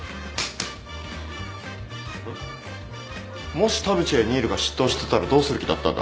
もし田淵や新琉が執刀してたらどうする気だったんだ？